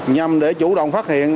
nhằm để chủ động phát hiện